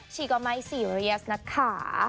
ชีก็ไม่ซีเรียสนะคะ